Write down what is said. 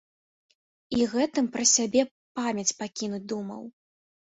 І гэтым пра сябе памяць пакінуць думаў.